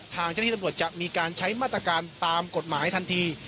ทางเจ้าหน้าที่ตำรวจจะมีการใช้มาตรการตามกฎหมายทันที